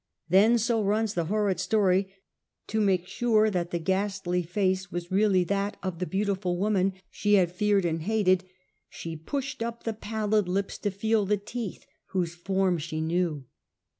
Then — so runs the horrid story — to make sure that the ghastly face was really that of the beautiful woman she had feared and hated, she pushed up the pallid lips to feel the teeth, whose form she knew.